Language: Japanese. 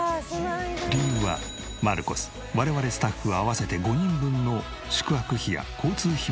理由はマルコス我々スタッフ合わせて５人分の宿泊費や交通費